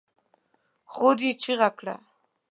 خور يې چيغه کړه!